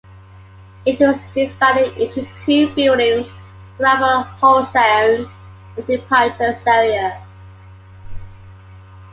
It was divided into two buildings: the arrival hall zone and departures area.